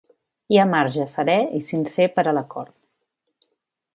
Hi ha marge serè i sincer per a l’acord.